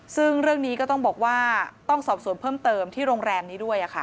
ซึ่งเรื่องนี้ก็ต้องบอกว่าต้องสอบสวนเพิ่มเติมที่โรงแรมนี้ด้วย